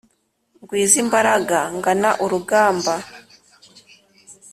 ngwiza imbaraga ngana urugamba.